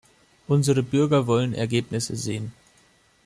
Unsere Bürger wollen Ergebnisse sehen.